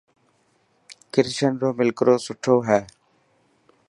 ڪرشن رو ملڪروس مٺو هي.